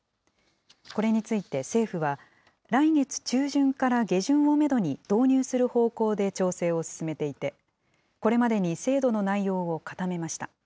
これについて政府は、来月中旬から下旬をメドに導入する方向で調整を進めていて、これまでに制度の内容を固めました。